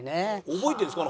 覚えてるんですか？